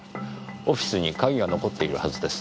オフィスに鍵が残っているはずです。